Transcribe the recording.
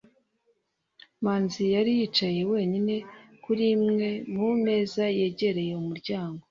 manzi yari yicaye wenyine kuri imwe mu meza yegereye umuryango